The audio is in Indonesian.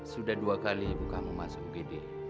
sudah dua kali ibu kamu masuk gede